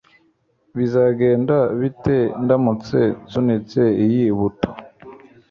bizagenda bite ndamutse nsunitse iyi buto